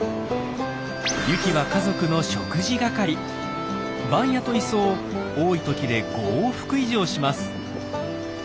ユキは家族の番屋と磯を多い時で５往復以上します。